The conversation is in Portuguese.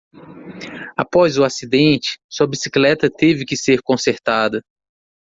Após o acidente? sua bicicleta teve que ser consertada.